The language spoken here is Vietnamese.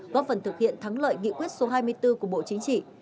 góp phần thực hiện thắng lợi nghị quyết số hai mươi bốn của bộ chính trị